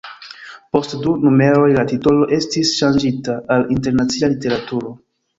Post du numeroj la titolo estis ŝanĝita al Internacia Literaturo.